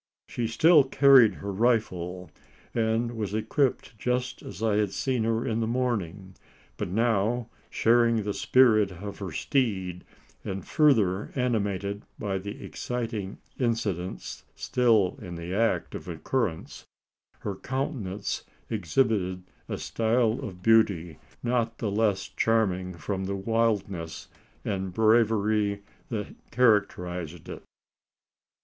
She still carried her rifle; and was equipped just as I had seen her in the morning; but now, sharing the spirit of her steed and further animated by the exciting incidents, still in the act of occurrence her countenance exhibited a style of beauty, not the less charming from the wildness and braverie that characterised it.